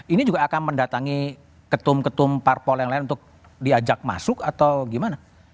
ini juga akan mendatangi ketum ketum parpol yang lain untuk diajak masuk atau gimana